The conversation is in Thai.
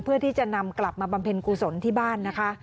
เพื่อที่จะนำกลับมาบำเพ็ญกุศลที่บ้านนะคะ